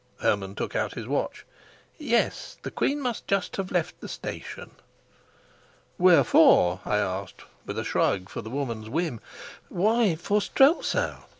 Hermann took out his watch. "Yes, the queen must just have left the station." "Where for?" I asked, with a shrug for the woman's whim. "Why, for Strelsau.